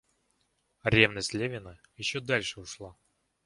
Ревность Левина еще дальше ушла.